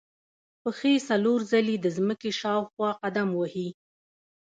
پښې څلور ځلې د ځمکې شاوخوا قدم وهي.